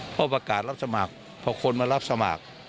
พอประกาศรับสมัครพอคนมารับสมัคร